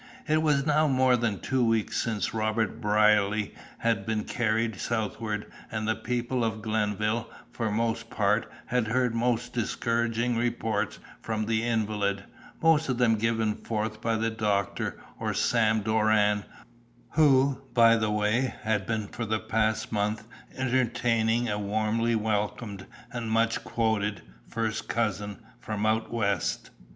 It was now more than two weeks since Robert Brierly had been carried southward and the people of Glenville, for the most part, had heard most discouraging reports from the invalid, most of them given forth by the doctor, or "Sam" Doran, who, by the way, had been for the past month entertaining a warmly welcomed and much quoted "first cousin" from "out west."